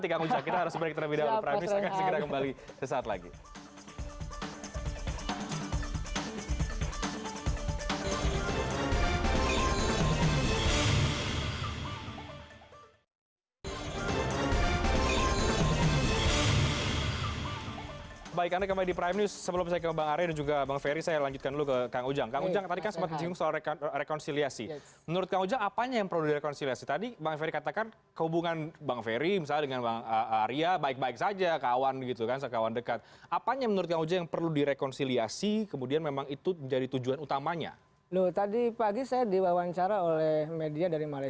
tapi di jepang nanti kang ujang kita harus sempat kembali